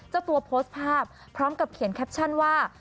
เจ้าตัวโพสต์ภาพพร้อมกับเขียนแคปชั่นว่า